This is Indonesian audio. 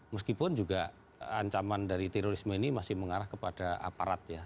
meskipun juga ancaman dari terorisme ini masih mengarah kepada aparat ya